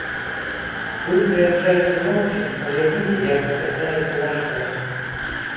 Вы прыязджайце ноччу, паглядзіце, як асвятляецца наш горад.